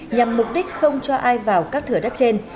nhằm mục đích không cho ai vào các thửa đất trên